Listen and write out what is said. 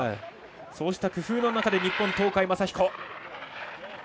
そうした工夫の中で日本の東海将彦。